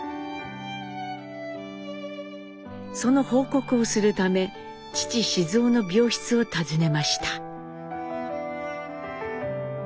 その報告をするため父雄の病室を訪ねました。